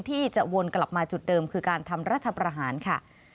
ที่จะวนกลับมาจุดเดิมคือการทำรัฐประหารค่ะ